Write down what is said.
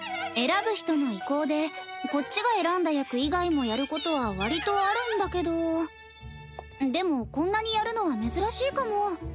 選ぶ人の意向でこっちが選んだ役以外もやることは割とあるんだけどでもこんなにやるのは珍しいかも。